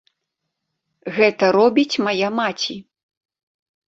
Гэта робіць мая маці.